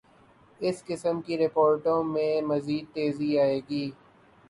اس قسم کی رپورٹوں میںمزید تیزی آئے گی۔